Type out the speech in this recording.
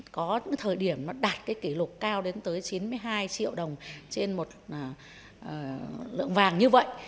có những thời điểm nó đạt cái kỷ lục cao đến tới chín mươi hai triệu đồng trên một lượng vàng như vậy